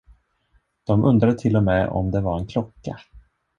De undrade till och med om det var en klocka.